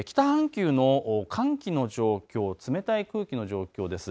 北半球の寒気の状況、冷たい空気の状況です。